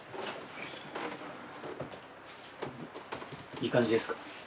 いい感じですか？